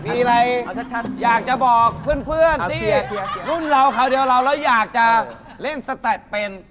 มีอะไรอยากจะบอกเพื่อนที่รุ่นเราคราวเดียวเราแล้วอยากจะเล่นสแตปเป็น